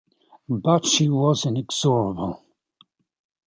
But she was inexorable.